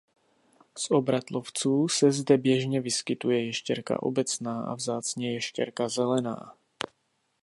Z obratlovců se zde běžně vyskytuje ještěrka obecná a vzácně ještěrka zelená.